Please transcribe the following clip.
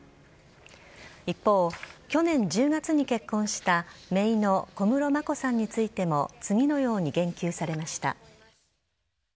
一方、去年１０月に結婚しためいの小室眞子さんについても次のように言及されました。